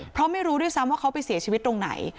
เพราะไม่รู้ด้วยซ้ำว่าเขาไปเสียชีวิตตรงไหน